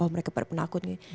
mereka pada penakut